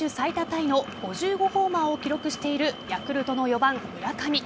タイの５５ホーマーを記録しているヤクルトの４番・村上。